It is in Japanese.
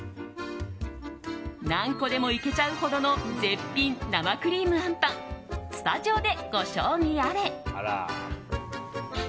何個でもいけちゃうほどの絶品生クリームあんぱんスタジオでご賞味あれ。